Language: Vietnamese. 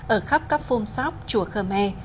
ở khắp các phun sóc chùa khơ mè